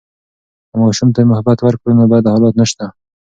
که ماشوم ته محبت وکړو، نو بد حالات نشته.